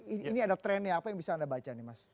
ini ada trennya apa yang bisa anda baca nih mas